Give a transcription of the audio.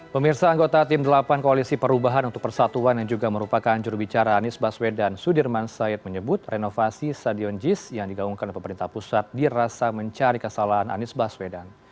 pemirsa anggota tim delapan koalisi perubahan untuk persatuan yang juga merupakan jurubicara anies baswedan sudirman said menyebut renovasi stadion jis yang digaungkan oleh pemerintah pusat dirasa mencari kesalahan anies baswedan